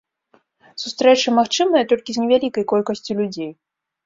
Сустрэчы магчымыя толькі з невялікай колькасцю людзей.